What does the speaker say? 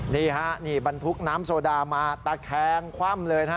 นี่บรรทุกน้ำโซดามาตะแคงคว่ำเลย